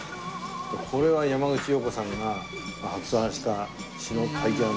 これは山口洋子さんが発案した詞の。